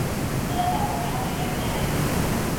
زوی بېرته کور ته راغلی دی.